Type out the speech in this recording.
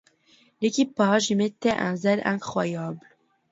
L’équipage y mettait un zèle incroyable.